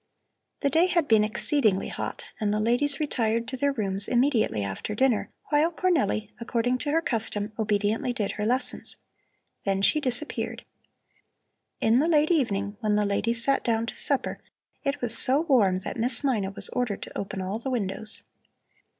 The day had been exceedingly hot, and the ladies retired to their rooms immediately after dinner, while Cornelli, according to her custom, obediently did her lessons. Then she disappeared. In the late evening, when the ladies sat down to supper, it was so warm that Miss Mina was ordered to open all the windows.